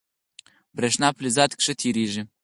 برېښنا په فلزاتو کې ښه تېرېږي.